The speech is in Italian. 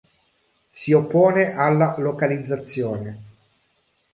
Si oppone alla localizzazione.